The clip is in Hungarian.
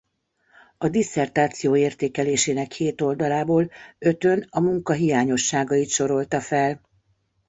A disszertáció értékelésének hét oldalából ötön a munka hiányosságait sorolta fel.